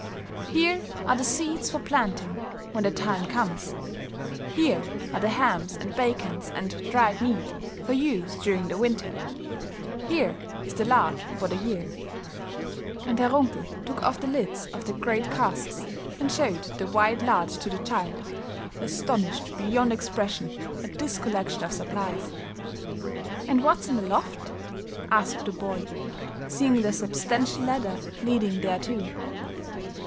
Here are the seeds for planting when the time comes; here are the hams and bacons and dried meat for use during the winter; here is the lard for the year;" and Herr Runkel took off the lids of the great casks and showed the white lard to the child, astonished beyond expression, at this collection of supplies. "And what's in the loft?" asked the boy, seeing the substantial ladder leading thereto.